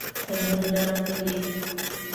تنور ګرم کړئ